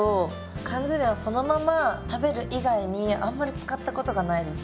缶詰をそのまま食べる以外にあんまり使ったことがないです。